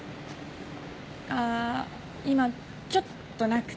あー今ちょっとなくて。